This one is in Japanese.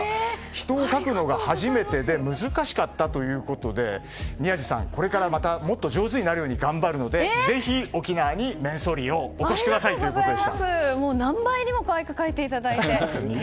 人を描くのが初めてで難しかったということで宮司さん、これからまたもっと上手になるように頑張るのでぜひ沖縄にめんそーりよーお越しくださいということです。